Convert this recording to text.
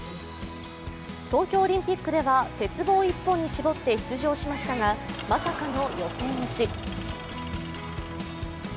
東京オリンピックでは、鉄棒一本に絞って出場しましたが、まさかの予選落ち。